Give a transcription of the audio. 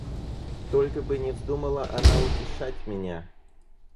Только бы не вздумала она утешать меня!